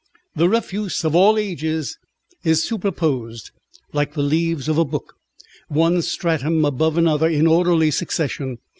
The refuse of all ages is superposed, like the leaves of a book, one stratum above another in orderly succession.